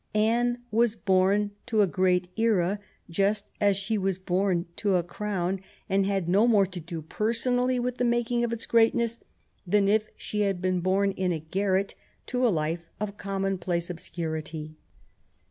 Anne was bom to a great era, just as she was bom to a crown, and had no more to do personally with the making of its greatness than if she had been bom in a garret to a life of commonplace obscurity.